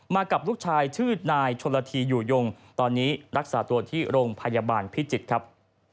กับลูกชายชื่อนายชนละทีอยู่ยงตอนนี้รักษาตัวที่โรงพยาบาลพิจิตรครับ